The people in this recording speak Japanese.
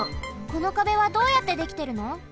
この壁はどうやってできてるの？